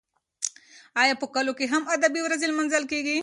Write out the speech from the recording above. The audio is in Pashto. ایا په کلو کې هم ادبي ورځې لمانځل کیږي؟